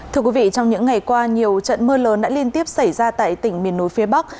thưa quý vị trong những ngày qua nhiều trận mưa lớn đã liên tiếp xảy ra tại tỉnh miền núi phía bắc